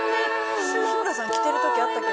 日村さん着てるときあったっけ？